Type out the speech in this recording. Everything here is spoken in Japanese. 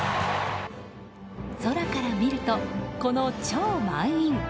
空から見ると、この超満員。